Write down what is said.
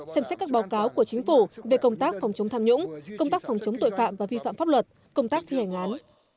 xem xét các báo cáo của chính phủ về công tác phòng chống tham nhũng công tác phòng chống tội phạm và vi phạm pháp luật công tác thi hành án